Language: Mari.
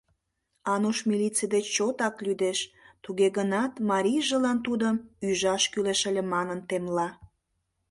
Ануш милиций деч чотак лӱдеш, туге гынат марийжылан тудым ӱжаш кӱлеш ыле манын темла.